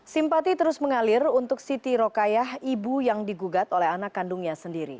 simpati terus mengalir untuk siti rokayah ibu yang digugat oleh anak kandungnya sendiri